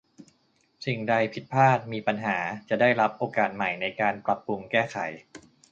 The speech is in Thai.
สิ่งใดผิดพลาดมีปัญหาจะได้รับโอกาสใหม่ในการปรับปรุงแก้ไข